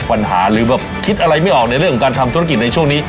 ปัญหาหรือแบบคิดอะไรไม่ออกในเรื่องของการทำธุรกิจในช่วงนี้